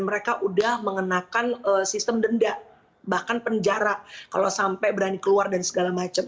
mereka sudah mengenakan sistem denda bahkan penjara kalau sampai berani keluar dan segala macam